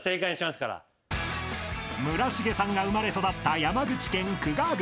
［村重さんが生まれ育った］